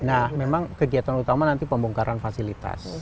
nah memang kegiatan utama nanti pembongkaran fasilitas